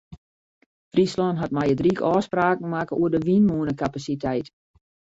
Fryslân hat mei it ryk ôfspraken makke oer de wynmûnekapasiteit.